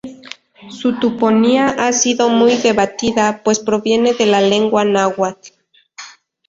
Su toponimia ha sido muy debatida, pues proviene de la lengua náhuatl.